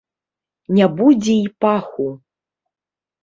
Не будзе і паху.